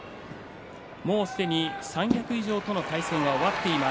もうすでに三役以上との対戦が終わっています